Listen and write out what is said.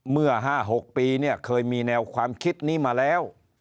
เมื่อ๕๖ปีเนี่ยเคยมีแนวความคิดนี้มาแล้ว